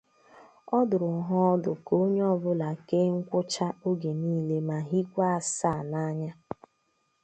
ọ dụrụ ha ọdụ ka onye ọbụla kee nkwụcha oge niile ma hikwa asaa n'anya